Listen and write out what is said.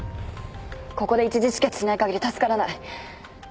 ここで一次止血しないかぎり助からない。